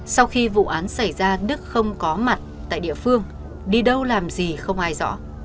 sau khi vụ án xảy ra đức không có mặt tại địa phương đi đâu làm gì không ai rõ